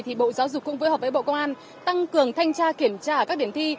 thì bộ giáo dục cũng phối hợp với bộ công an tăng cường thanh tra kiểm tra ở các điểm thi